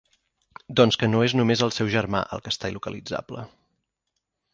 Doncs que no és només el seu germà, el que està il·localitzable.